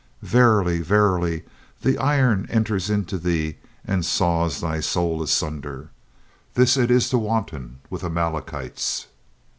"Verily, verily, the iron enters into thee and saws thy soul asunder. This it is to wanton with Amalekites."